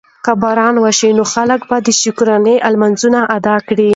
که باران وشي نو خلک به د شکرانې لمونځ ادا کړي.